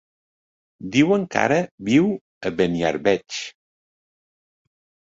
Diuen que ara viu a Beniarbeig.